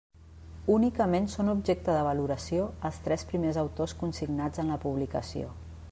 Únicament són objecte de valoració els tres primers autors consignats en la publicació.